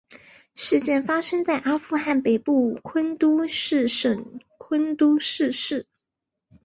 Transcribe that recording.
事件发生在阿富汗北部昆都士省昆都士市。